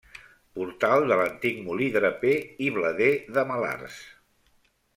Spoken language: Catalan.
Portal de l'antic molí draper i blader de Malars.